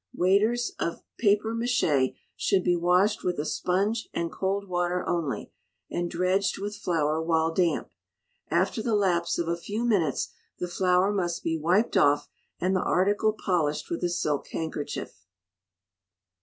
Waiters of 'papier maché' should be washed with a sponge and cold water only, and dredged with flour while damp. After the lapse of a few minutes the flour must be wiped off, and the article polished with a silk handkerchief.